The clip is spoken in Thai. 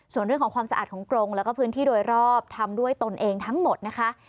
ส่วนเรื่องของความสะอาดของกรงแล้วก็พื้นที่โดยรอบทำด้วยตนเองทั้งหมดนะคะ